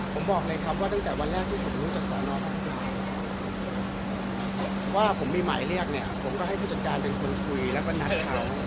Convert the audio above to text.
ผมบอกเลยครับว่าตั้งแต่วันแรกที่ผมรู้จากสอนอบังจอมว่าผมมีหมายเรียกเนี่ยผมก็ให้ผู้จัดการเป็นคนคุยแล้วก็นัดเขา